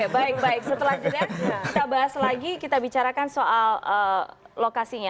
baik baik setelah jeda kita bahas lagi kita bicarakan soal lokasinya